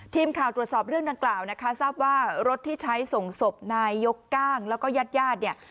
ทีมข่าวตรวจสอบเรื่องดังกล่าวนะคะทราบว่ารถที่ใช้ส่งศพนายยกก้างแล้วก็ญาติญาติเนี่ย